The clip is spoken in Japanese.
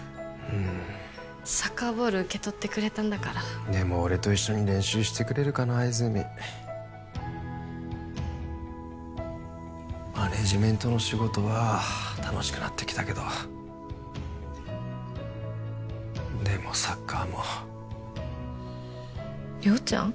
うんサッカーボール受け取ってくれたんだからでも俺と一緒に練習してくれるかな泉実マネージメントの仕事は楽しくなってきたけどでもサッカーも亮ちゃん？